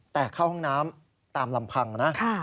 แต่เข้าห้องน้ำตามลำพังนะ